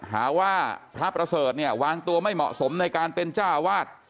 หาว่าพระประเสริฐเนี่ยวางตัวไม่เหมาะสมในการเป็นเจ้าวาด